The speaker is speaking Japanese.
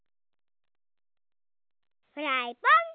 フライパン！